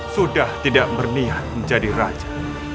sudah tidak berniat menjadi raja